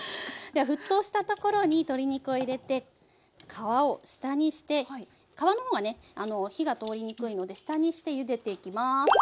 では沸騰したところに鶏肉を入れて皮を下にして皮の方がね火が通りにくいので下にしてゆでていきます。